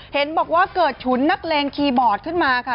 เห็นบอกว่าเกิดฉุนนักเลงคีย์บอร์ดขึ้นมาค่ะ